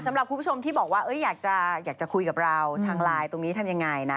สำหรับคุณผู้ชมที่บอกว่าอยากจะคุยกับเราทางไลน์ตรงนี้ทำยังไงนะ